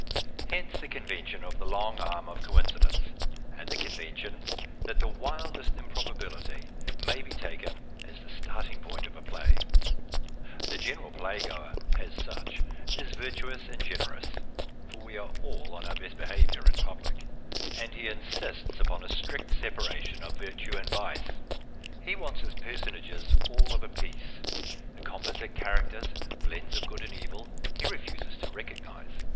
Hence the con vention of the " long arm of coincidence " and the convention that the wildest improbability may be taken as the starting point of a j)lay. The general playgoer, as such, is virtuous and generous ; for we are all on our best bchavioiir in public. And he 108 AUDIENCES insists upon a strict separation of virtue and viee. He wants his personafjes all of a piece. Tiie com posite ciiaracters, blends of good and evil, he refuses to recognize.